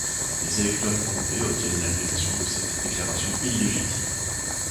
Les électeurs du comté obtiennent l'annulation de cette déclaration illégitime.